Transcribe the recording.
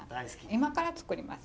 今から作ります。